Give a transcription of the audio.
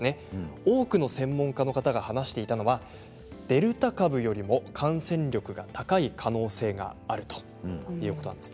多くの専門家の方が話していたのはデルタ株よりも感染力が高い可能性があるということなんです。